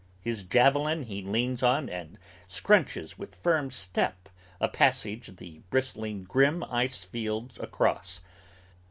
His javelin He leans on and scrunches with firm step a passage the bristling Grim ice fields across!